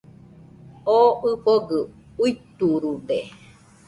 Oo ɨfogɨ uiturude